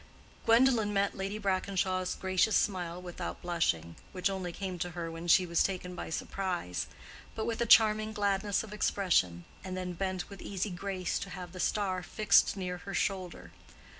Gwendolen met Lady Brackenshaw's gracious smile without blushing (which only came to her when she was taken by surprise), but with a charming gladness of expression, and then bent with easy grace to have the star fixed near her shoulder.